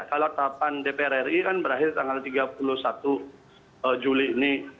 kalau tahapan dpr ri kan berakhir tanggal tiga puluh satu juli ini